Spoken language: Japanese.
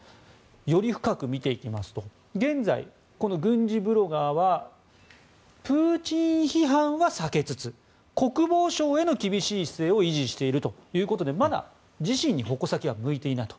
より深く見ていきますと現在、この軍事ブロガーはプーチン批判は避けつつ国防省への厳しい姿勢を維持しているということでまだ自身に矛先は向いていないと。